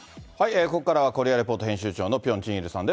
ここからはコリア・レポート編集長のピョン・ジンイルさんです。